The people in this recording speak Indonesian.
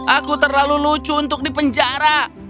aku terlalu lucu untuk dipenjara